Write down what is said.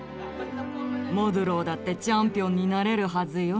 モドゥローだってチャンピオンになれるはずよ。